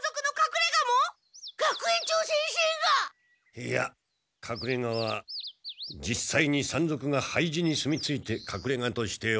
いやかくれがはじっさいに山賊が廃寺に住み着いてかくれがとしておる。